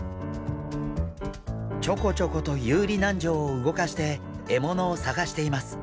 ちょこちょこと遊離軟条を動かして獲物を探しています。